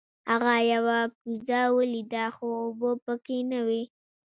هغه یوه کوزه ولیده خو اوبه پکې نه وې.